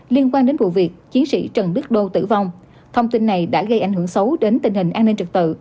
liên quan đến vụ việc chiến sĩ trần đức đô tử vong thông tin này đã gây ảnh hưởng xấu đến tình hình an ninh trực tự